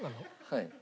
はい。